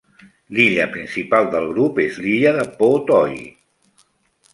L'illa principal del grup és l'illa de Po Toi.